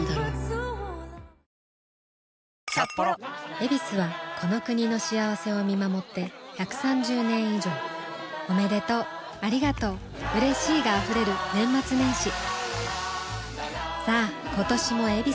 「ヱビス」はこの国の幸せを見守って１３０年以上おめでとうありがとううれしいが溢れる年末年始さあ今年も「ヱビス」で